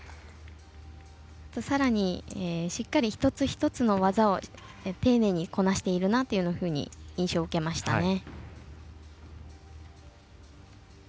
さらにしっかり一つ一つの技を丁寧にこなしているなという印象を受けましたね。